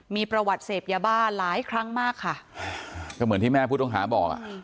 มีประวัติเสพยาบ้าหลายครั้งมากค่ะก็เหมือนที่แม่ผู้ต้องหาบอกอ่ะ